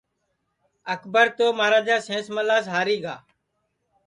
اکبر تو مہاراجا سینس ملاس ہاری گا